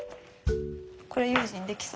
これ悠仁できそう！